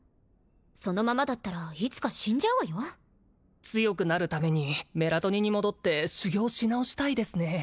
そのままだったらいつか死んじゃうわよ強くなるためにメラトニに戻って修行し直したいですね